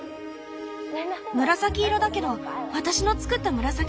紫色だけど私の作った紫と全然違う。